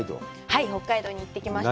はい、北海道に行ってきました。